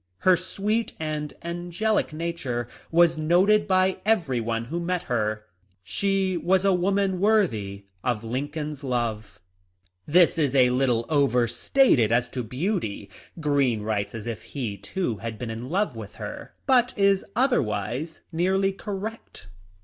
Her sweet and angelic nature was noted by every one who met her. She was a woman worthy of Lincoln's love." This is a little overstated as to beauty — Greene THE LIFE OF LINCOLN. 1 3 1 writes as if he too had been in love with her — but is otherwise nearly correct.